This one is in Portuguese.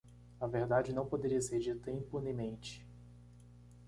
A verdade não poderia ser dita impunemente.